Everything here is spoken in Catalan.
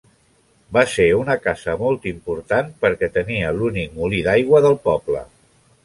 Va ser una casa molt important perquè tenia l'únic molí d'aigua del poble.